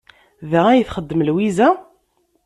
Da ay txeddem Lwiza?